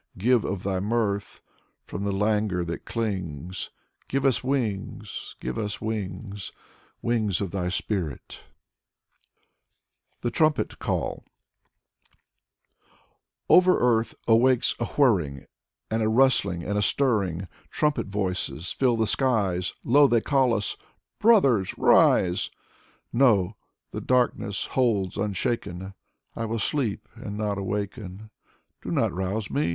Give of thy mirth. From the languor that clings Give us wings ! Give us wings ! Wings of thy Spirit. 58 Dmitry Merezhkovsky THE TRUMPET CALL Over earth awakes a whirring, And a rustling, and a stirring, Trumpet voices fill the skies: " Lo, they call us. Brothers, rise!" '* No. The darkness holds unshaken. I will sleep, and not awaken. Do not rouse me.